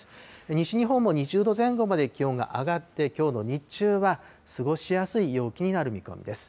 西日本も２０度前後まで気温が上がって、きょうの日中は過ごしやすい陽気になる見込みです。